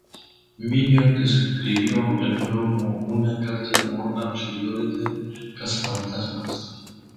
Miller describió el juego como una "carta de amor a los seguidores de "Cazafantasmas"".